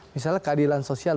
misalnya keadilan sosial